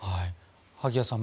萩谷さん